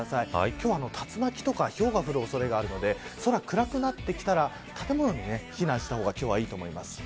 今日は竜巻とかひょうが降る恐れがあるので暗くなってきたら建物に避難した方がいいと思います。